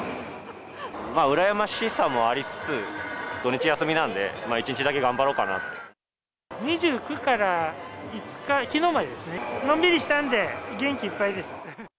まあ、羨ましさもありつつ、土日休みなんで、２９から５日、きのうまでですね、のんびりしたんで、元気いっぱいです。